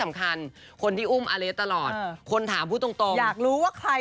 แม่ดูดิไม่ต้องเขิน